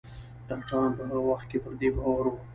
ډاکتران په هغه وخت کې پر دې باور وو